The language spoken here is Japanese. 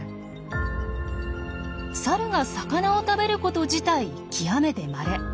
サルが魚を食べること自体極めてまれ。